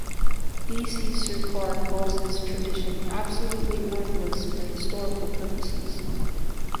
D. C. Sircar calls this tradition "absolutely worthless for historical purposes".